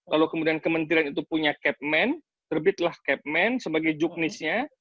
lalu kemudian kementerian itu punya cap man terbitlah cap man sebagai juknisnya